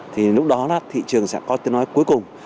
thì lúc đó thị trường sẽ có tiếng nói cuối cùng